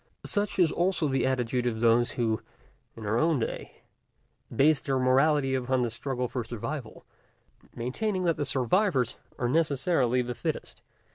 Such also is the attitude of those who, in our own day, base their morality upon the struggle for survival, maintaining that the survivors are necessarily the fittest.